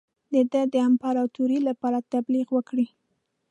د ده د امپراطوری لپاره تبلیغ وکړي.